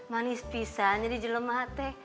manis pisang ini jelumate